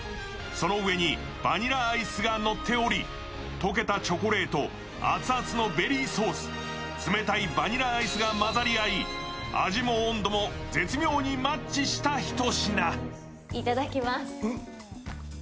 その上にバニラアイスがのっており、溶けたチョコレート、熱々のベリーソース、冷たいバニラアイスが混ざり合い、味も温度も絶妙にマッチしたひと品。